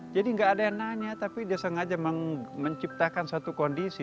jadi gak ada yang nanya tapi dia sengaja menciptakan satu kondisi